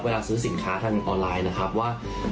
ซื้อสินค้าทางออนไลน์นะครับว่า